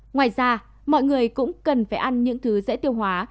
ngoài ra mọi người cũng cần phải ăn những thứ dễ tiêu hóa